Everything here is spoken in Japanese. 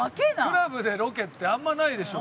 クラブでロケってあんまないでしょ。